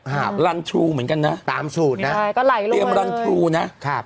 หารันทรูเหมือนกันนะตามสูตรนะใช่ก็ไหลเลยเตรียมรันทรูนะครับ